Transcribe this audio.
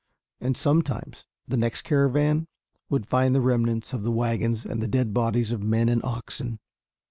And sometimes the next caravan would find the remnants of the wagons and the dead bodies of men and oxen.